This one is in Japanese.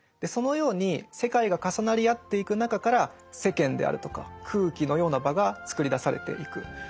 そのように世界が重なりあっていく中から世間であるとか空気のような場が作り出されていく。